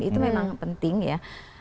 itu memang penting ya